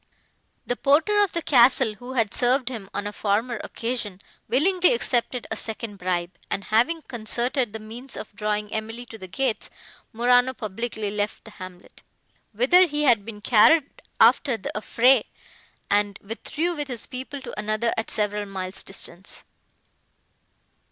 The porter of the castle, who had served him, on a former occasion, willingly accepted a second bribe; and, having concerted the means of drawing Emily to the gates, Morano publicly left the hamlet, whither he had been carried after the affray, and withdrew with his people to another at several miles distance.